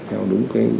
theo đúng lý do